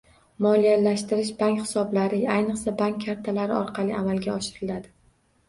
Moliyalashtirish bank hisoblari, ayniqsa bank kartalari orqali amalga oshiriladi